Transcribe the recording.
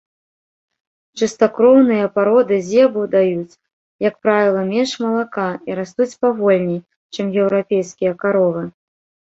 Чыстакроўныя пароды зебу даюць, як правіла, менш малака і растуць павольней, чым еўрапейскія каровы.